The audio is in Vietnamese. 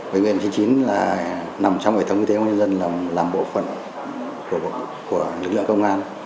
bệnh viện chín mươi chín là nằm trong hệ thống y tế công an nhân dân làm bộ phận của lực lượng công an